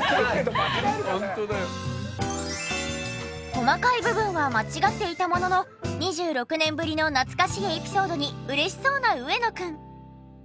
細かい部分は間違っていたものの２６年ぶりの懐かしいエピソードに嬉しそうな上野くん。